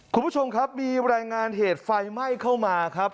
คุณผู้ชมครับมีรายงานเหตุไฟไหม้เข้ามาครับ